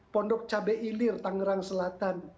pondok cabai ilir tangerang selatan